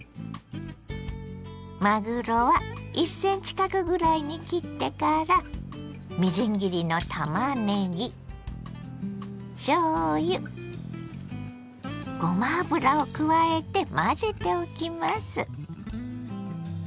まぐろは１ｃｍ角ぐらいに切ってからみじん切りのたまねぎしょうゆごま油を加えて混ぜておきます。